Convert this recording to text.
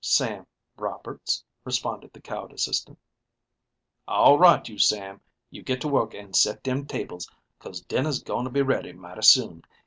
"Sam Roberts," responded the cowed assistant. "All right, you Sam. You get to work an' set dem tables, 'cause dinner's going to be ready mighty soon.